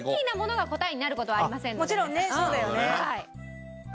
もちろんねそうだよね。